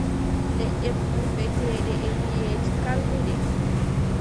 Leɗɗe puufeteeɗe e liʼeeji, kalluɗe.